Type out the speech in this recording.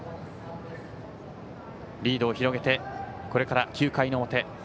リードを広げてこれから９回の表。